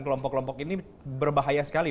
kelompok kelompok ini berbahaya sekali